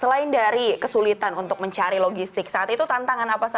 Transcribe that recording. selain dari kesulitan untuk mencari logistik saat itu tantangan apa saja